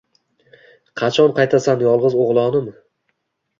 Qachon qaytasan yolgiz uglonim?